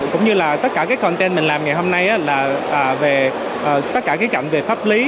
cũng như là tất cả cái content mình làm ngày hôm nay là về tất cả cái chặng về pháp lý